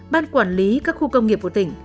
ban quản lý các khu công nghiệp của tỉnh